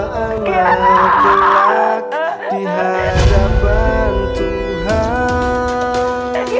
mungkin ada nafas mas